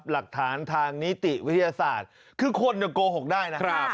หลักฐานทางนิติวิทยาศาสตร์คือคนโกหกได้นะครับ